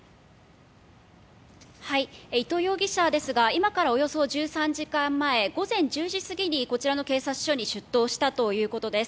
伊藤容疑者ですが今からおよそ１３時間前午前１０時過ぎにこちらの警察署に出頭したということです。